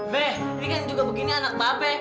be ini kan juga begini anak babe